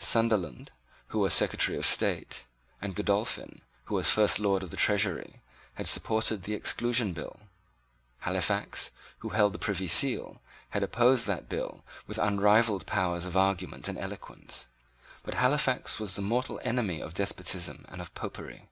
Sunderland, who was Secretary of State, and Godolphin, who was First Lord of the Treasury, had supported the Exclusion Bill. Halifax, who held the Privy Seal, had opposed that bill with unrivalled powers of argument and eloquence. But Halifax was the mortal enemy of despotism and of Popery.